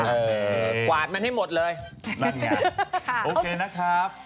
เออกวาดมันให้หมดเลยแรงงานโอเคนะครับ